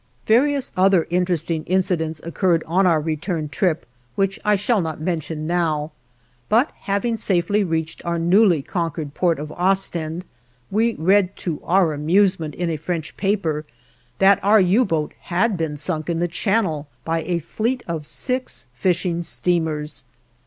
Various other interesting incidents occurred on our return trip, which I shall not mention now, but having safely reached our newly conquered port of Ostend, we read to our amusement in a French paper that our U boat had been sunk in the Channel by a fleet of six fishing steamers.